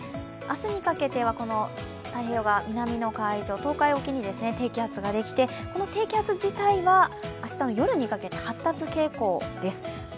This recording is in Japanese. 明日にかけては太平洋側、南の海上東海沖に低気圧ができて、この低気圧自体は明日の夜にかけて発達傾向です。